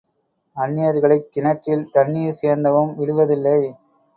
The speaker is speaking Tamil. அன்னியர்களைக் கிணற்றில் தண்ணீர் சேந்தவும் விடுவதில்லை.